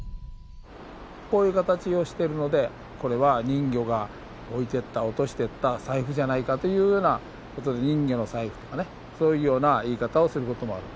こういう形をしてるのでこれは人魚が置いてった落としてった財布じゃないかというようなことで「人魚の財布」とかねそういうような言い方をすることもある。